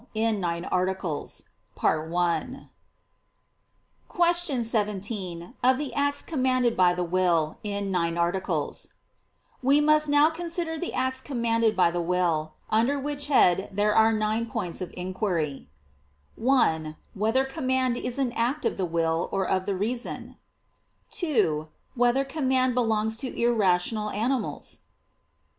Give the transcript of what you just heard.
________________________ QUESTION 17 OF THE ACTS COMMANDED BY THE WILL (In Nine Articles) We must now consider the acts commanded by the will; under which head there are nine points of inquiry: (1) Whether command is an act of the will or of the reason? (2) Whether command belongs to irrational animals?